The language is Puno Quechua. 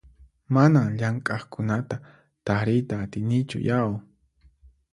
Manan llamk'aqkunata tariyta atinichu yau!